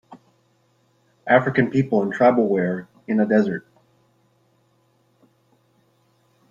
African people in tribal wear in a desert.